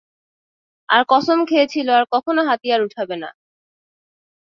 আর কসম খেয়েছিলো আর কখনো হাতিয়ার উঠাবে না।